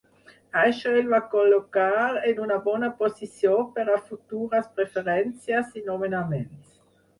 Això el va col·locar en una bona posició per a futures preferències i nomenaments.